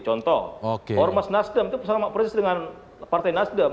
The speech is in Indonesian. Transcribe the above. contoh ormas nasdem itu sama persis dengan partai nasdem